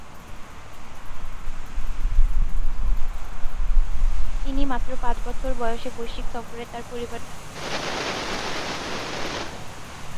তিনি মাত্র পাঁচ বছর বয়সে বৈশ্বিক সফরে তাঁর পরিবারের সাথে নৃত্য-উপস্থাপনা করতে শুরু করেছিলেন।